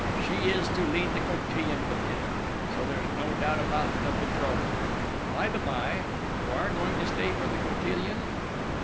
She is to lead the cotillion with him, so there's no doubt about the betrothal. By the by, you are going to stay for the cotillion?"